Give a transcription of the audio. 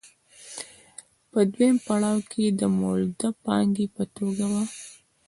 په دویم پړاو کې د مولده پانګې په توګه وه